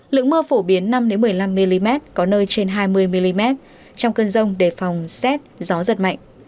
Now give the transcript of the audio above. lượng mưa phổ biến năm một mươi năm mm có nơi trên hai mươi mm trong cơn rông đề phòng xét gió giật mạnh